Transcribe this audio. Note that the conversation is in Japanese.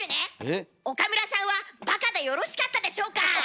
岡村さんはバカでよろしかったでしょうか？